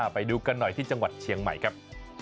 ไปดูกันหน่อยที่จังหวัดเชียงใหม่ครับ